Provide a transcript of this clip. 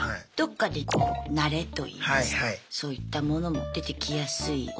どっかでこう慣れといいますかそういったものも出てきやすい